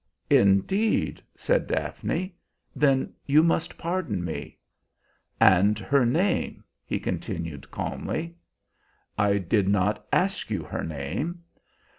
"Indeed!" said Daphne. "Then you must pardon me." "And her name," he continued calmly. "I did not ask you her name."